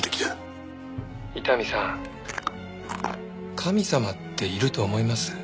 神様っていると思います？